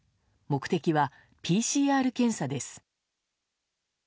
目的はＰＣＲ検査です。